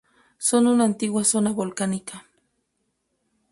Son una antigua zona volcánica.